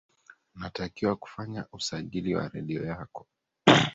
unatakiwa kufanya usajili wa redio yako